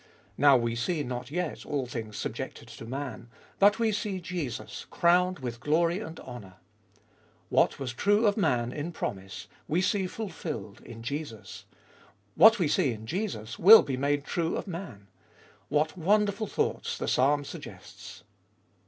Now we see not yet all things sub jected to man, but we see Jesus crowned with glory and honour. What was true of man in promise, we see fulfilled in Jesus : what we see in Jesus, will be made true of man. What wonderful thoughts the Psalm suggests.